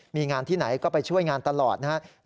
มีงานที่ไหนก็ไปช่วยงานตลอดนะครับ